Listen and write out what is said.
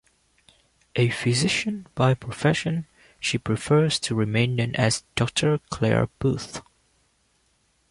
A physician by profession, she prefers to remain known as Doctor Claire Booth.